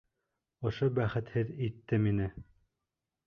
Ошо бәхетһеҙ итте мине!